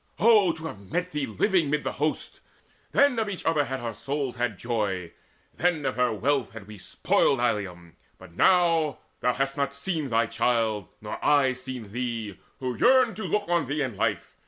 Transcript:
Oh to have met thee living mid the host! Then of each other had our souls had joy, Then of her wealth had we spoiled Ilium. But now, thou hast not seen thy child, nor I Seen thee, who yearned to look on thee in life.